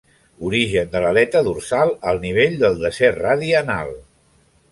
Origen de l'aleta dorsal al nivell del desè radi anal.